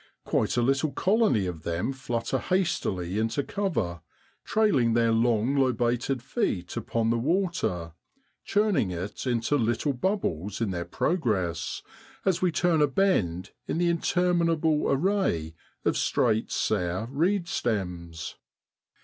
Quite a little colony of them flutter hastily into cover, trailing their long lobated feet upon the water, churning it into little bubbles in their progress, as we turn a bend in the interminable array of straight sere reed stems.